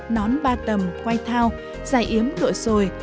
nón ba tầm quay thao dày yếm đội sồi